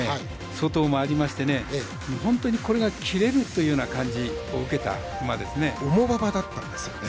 外を回りまして、本当にこれが切れるというような感じを重馬場だったんですよね。